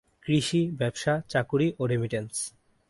কৃষি, ব্যবসা, চাকুরি, ও রেমিটেন্স।